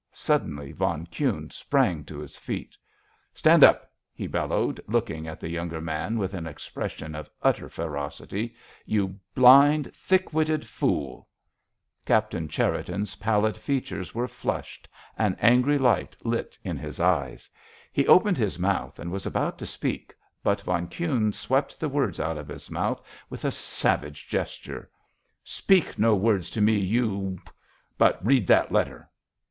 Suddenly von Kuhne sprang to his feet. "Stand up!" he bellowed, looking at the younger man with an expression of utter ferocity. "You blind, thick witted fool!" Captain Cherriton's pallid features were flushed, an angry light lit in his eye. He opened his mouth and was about to speak, but von Kuhne swept the words out of his mouth with a savage gesture. "Speak no words to me, you —— but read that letter!"